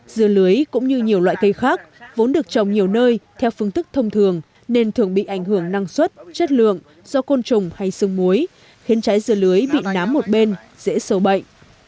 dưa lưới cũng như nhiều loại cây khác vốn được trồng nhiều nơi theo phương thức thông thường nên thường bị ảnh hưởng năng suất chất lượng do côn trùng hay sương muối khiến trái dưa lưới bị nám một bên dễ sâu bệnh